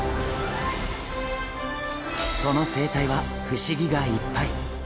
その生態は不思議がいっぱい。